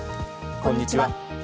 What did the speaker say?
こんにちは。